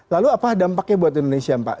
lalu apa dampaknya buat indonesia pak